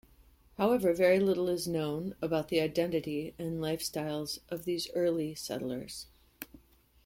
However, very little is known about the identity and lifestyle of these early settlers.